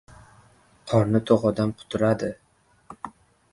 • Qorni to‘q odam quturadi.